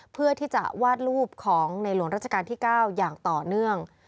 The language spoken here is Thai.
เพื่อที่จะวาดรูปของในหลวงราชการที่๙อย่างต่อเนื่อง